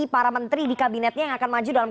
para menteri di kabinetnya yang akan maju dalam